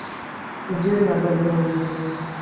Ibyo bihagaze mu bugingo